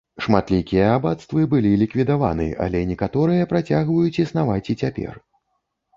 Шматлікія абацтвы былі ліквідаваны, але некаторыя працягваюць існаваць і цяпер.